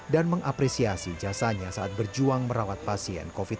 dan mengapresiasi jasanya saat berjuang merawat pasien covid sembilan belas